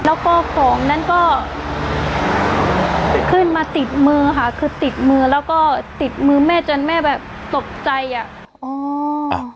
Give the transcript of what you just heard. แล้วก็ของนั้นก็ขึ้นมาติดมือค่ะคือติดมือแล้วก็ติดมือแม่จนแม่แบบตกใจอ่ะอ๋อ